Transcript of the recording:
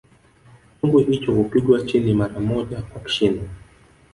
Chungu hicho hupigwa chini mara moja kwa kishindo